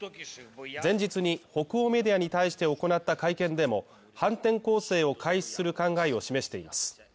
前日に北欧メディアに対して行った会見でも、反転攻勢を開始する考えを示しています。